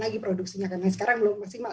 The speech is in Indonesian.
lagi produksinya karena sekarang belum maksimal